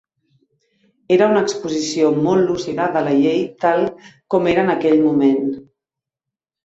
Era una exposició molt lúcida de la llei tal com era en aquell moment.